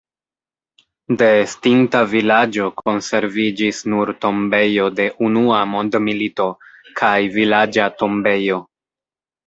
De estinta vilaĝo konserviĝis nur tombejo de Unua mondmilito kaj vilaĝa tombejo.